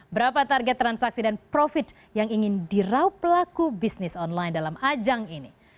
berapa target transaksi dan profit yang ingin dirauh pelaku bisnis online dalam ajang ini